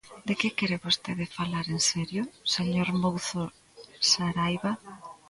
¿De que quere vostede falar en serio, señor Mouzo Saraiba?